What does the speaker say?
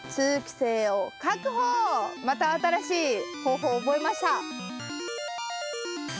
また新しい方法を覚えました。